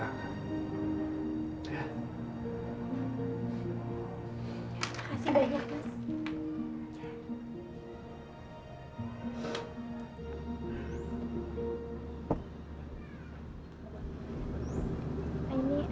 kamu itu orang yang baik di raka